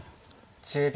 １０秒。